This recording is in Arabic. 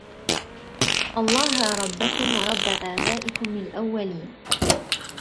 اللَّهَ رَبَّكُم وَرَبَّ آبائِكُمُ الأَوَّلينَ